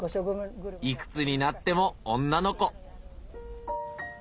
いくつになっても女の子。